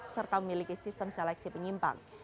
serta memiliki sistem seleksi penyimpang